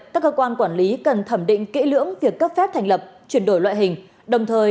các cơ quan quản lý cần thẩm định kỹ lưỡng việc cấp phép thành lập chuyển đổi loại hình đồng thời